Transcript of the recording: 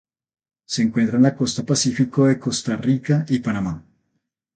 Se encuentra en la costa pacífico de Costa Rica y Panamá.